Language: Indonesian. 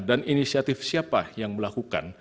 dan inisiatif siapa yang melakukan